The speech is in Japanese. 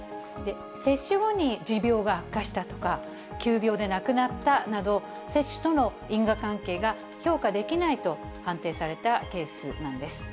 接種後に持病が悪化したとか、急病で亡くなったなど、接種との因果関係が評価できないと判定されたケースなんです。